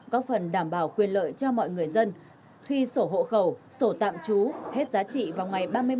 có phần đảm bảo quyền lợi cho mọi người dân khi sổ hộ khẩu sổ tạm trú hết giá trị vào ngày ba mươi một tháng một mươi hai tới đây